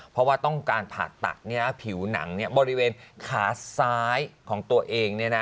เพราะว่าต้องการผ่าตัดผิวหนังบริเวณขาซ้ายของตัวเอง